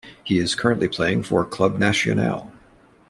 He is currently playing for Club Nacional.